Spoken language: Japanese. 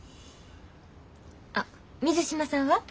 あっ水島さんは？